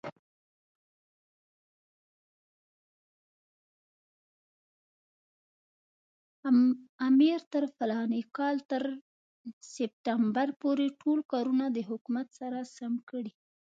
امیر تر فلاني کال تر سپټمبر پورې ټول کارونه د حکومت سره سم کړي.